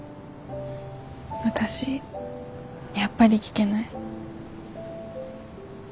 私やっぱり聞けない。